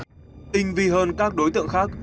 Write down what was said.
tinh vi hơn các đối tượng khác